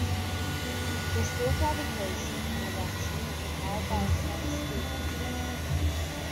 The steel fabrication and erection was supplied by Schuff Steel Company.